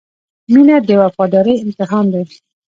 • مینه د وفادارۍ امتحان دی.